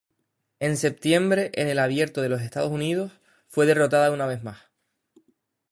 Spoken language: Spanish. En septiembre, en el Abierto de los Estados Unidos, fue derrotada una vez más.